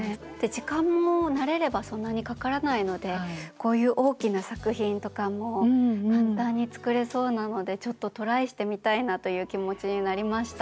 時間も慣れればそんなにかからないのでこういう大きな作品とかも簡単に作れそうなのでちょっとトライしてみたいなという気持ちになりました。